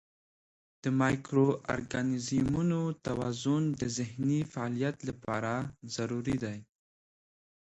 د مایکرو ارګانیزمونو توازن د ذهني فعالیت لپاره ضروري دی.